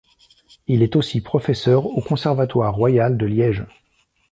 Il est aussi professeur au conservatoire royal de Liège.